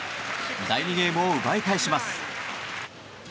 第２ゲームを奪い返します。